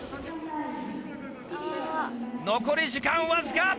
残り時間わずか。